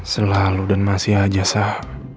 selalu dan masih aja sah